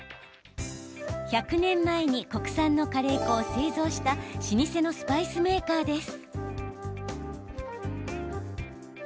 １００年前にカレー粉を製造した老舗のスパイスメーカーです。